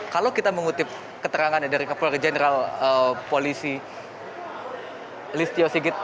kalau kita mengutip keterangan dari kapolri jenderal polisi listio sigit